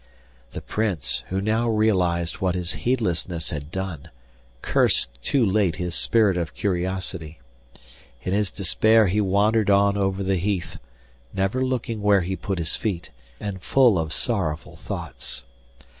The Prince, who now realised what his heedlessness had done, cursed too late his spirit of curiosity. In his despair he wandered on over the heath, never looking where he put his feet, and full of sorrowful thoughts.